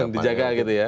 yang dijaga gitu ya